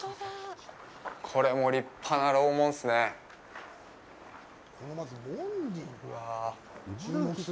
これも立派な楼門っすねえ。